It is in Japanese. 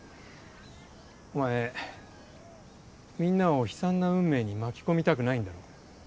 お前みんなを悲惨な運命に巻き込みたくないんだろ？